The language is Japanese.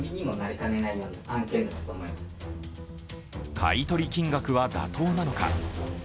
買い取り金額は妥当なのか。